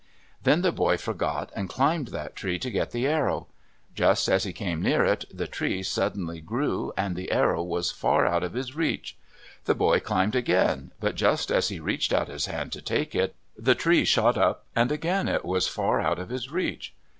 Then the boy forgot and climbed that tree to get the arrow. Just as he came near it, the tree suddenly grew and the arrow was far out of his reach. The boy climbed again, but just as he reached out his hand to take it, the tree shot up and again it was far out of his reach.